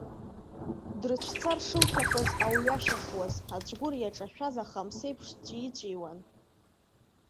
Дрыцәцар шылҭахыз ауҩашьахуаз, аҵәгәыр иаҿашәаз ахамса еиԥш дҵәи-ҵәиуан.